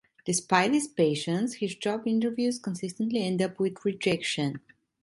Despite his patience, his job interviews consistently end up with rejection.